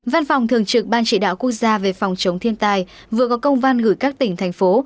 văn phòng thường trực ban chỉ đạo quốc gia về phòng chống thiên tai vừa có công văn gửi các tỉnh thành phố